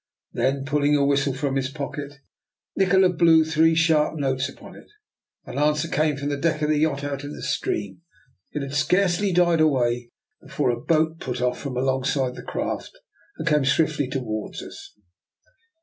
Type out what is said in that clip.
Then, pulling a whistle from his 146 DR. NIKOLA'S EXPERIMENT. pocket, Nikola blew three shiarp notes upon it. An answer came from the deck of the yacht out in the stream. It had scarcely died away before a boat put off from alongside the craft and came swiftly towards us.